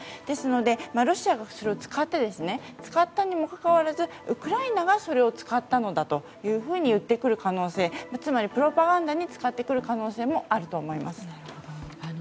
ですので、ロシアがそれを使ったにもかかわらずウクライナがそれを使ったのだというふうに言ってくる可能性つまり、プロパガンダに使ってくる可能性もあると思います。